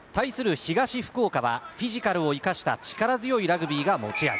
東福岡はフィジカルを生かした力強いラグビーが持ち味